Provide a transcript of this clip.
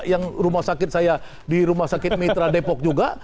yang rumah sakit saya di rumah sakit mitra depok juga